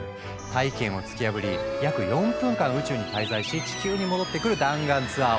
大気圏を突き破り約４分間宇宙に滞在し地球に戻ってくる弾丸ツアー。